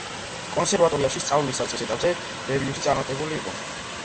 კონსერვატორიაში სწავლის საწყის ეტაპზე დებიუსი წარმატებული იყო.